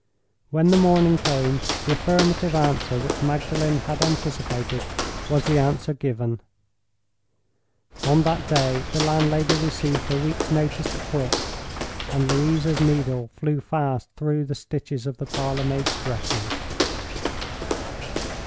When the morning came, the affirmative answer which Magdalen had anticipated was the answer given. On that day the landlady received her week's notice to quit, and Louisa's needle flew fast through the stitches of the parlor maid's dress.